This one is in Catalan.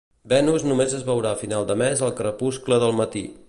Venus només es veurà a finals de mes al crepuscle del matí